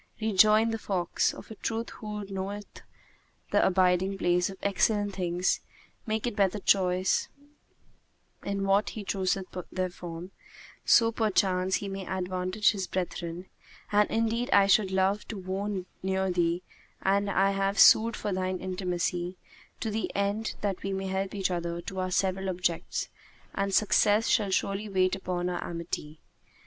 Rejoined the fox, "Of a truth whoso knoweth the abiding place of excellent things, maketh better choice in what he chooseth therefrom, so perchance he may advantage his brethren; and indeed I should love to wone near thee and I have sued for thine intimacy, to the end that we may help each other to our several objects; and success shall surely wait upon our amity.